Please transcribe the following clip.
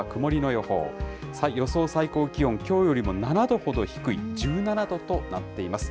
予想最高気温、きょうよりも７度ほど低い１７度となっています。